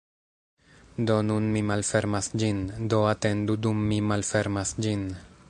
Do nun mi malfermas ĝin, do atendu dum mi malfermas ĝin.